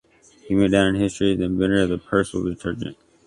He went down in history as the inventor of the Persil detergent.